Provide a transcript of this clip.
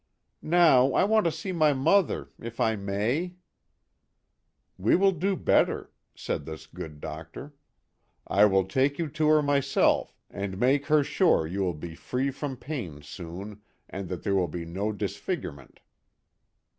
"Now, I want to see my mother if I may ?"" We will do better," said this good doctor. " I will take you to her myself and make her sure you will be free from pain soon, and that there will be no disfigurement."